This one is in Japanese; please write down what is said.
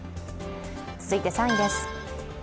続いて３位です。